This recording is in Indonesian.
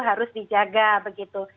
harus dijaga begitu